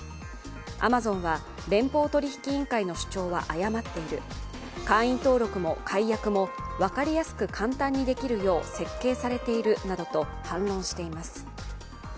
アマゾンは連邦取引委員会の主張は誤っている会員登録も解約も分かりやすく簡単にできるよう設計されているなどと反論しています。